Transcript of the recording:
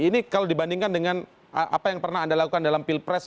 ini kalau dibandingkan dengan apa yang pernah anda lakukan dalam pilpres